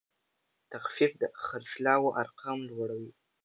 تخفیف د خرڅلاو ارقام لوړوي.